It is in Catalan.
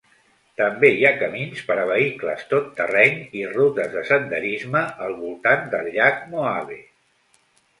També hi ha camins per a vehicles tot terreny i rutes de senderisme al voltant del llac Mohave.